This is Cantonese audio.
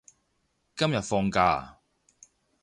今日放假啊？